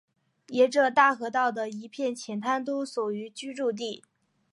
沿着大河道的一片浅滩都属于居住地。